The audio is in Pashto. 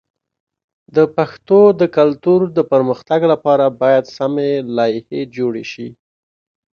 د پښتو د کلتور د پرمختګ لپاره باید سمی لایحې جوړ شي.